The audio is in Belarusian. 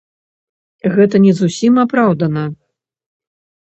Гэта не зусім апраўдана.